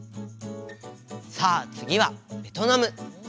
さあつぎはベトナム。